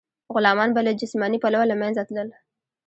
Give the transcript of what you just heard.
غلامان به له جسماني پلوه له منځه تلل.